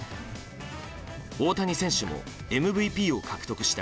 大谷選手もＭＶＰを獲得した